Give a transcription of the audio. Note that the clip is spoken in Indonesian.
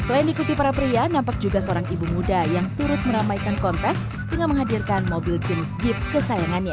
selain diikuti para pria nampak juga seorang ibu muda yang turut meramaikan kontes dengan menghadirkan mobil jenis jeep kesayangannya